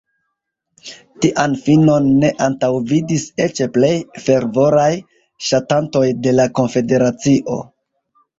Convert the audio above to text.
Tian finon ne antaŭvidis eĉ plej fervoraj ŝatantoj de la konfederacio.